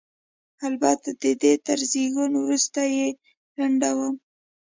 البته د دې تر زېږون وروسته یې لنډوم.